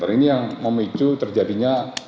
ini yang memicu terjadinya